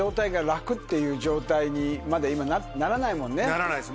ならないです。